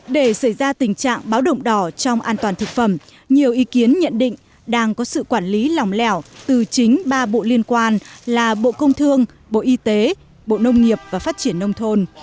để xảy ra tình trạng báo động đỏ trong an toàn thực phẩm nhiều ý kiến nhận định đang có sự quản lý lòng lẻo từ chính ba bộ liên quan là bộ công thương bộ y tế bộ nông nghiệp và phát triển nông thôn